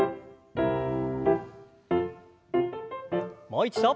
もう一度。